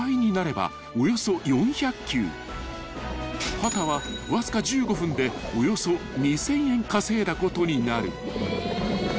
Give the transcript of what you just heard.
［秦はわずか１５分でおよそ２，０００円稼いだことになる］